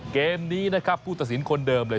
เกมนี้นะครับผู้ตัดสินคนเดิมเลย